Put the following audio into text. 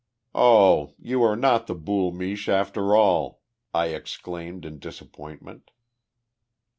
"O, you are not the Boul' Miche, after all," I exclaimed in disappointment.